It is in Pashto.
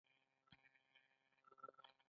د نجونو تعلیم د ښځو واک زیاتوي.